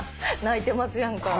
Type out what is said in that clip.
泣いてますやんか。